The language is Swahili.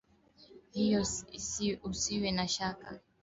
Hiyo usiwe na shaka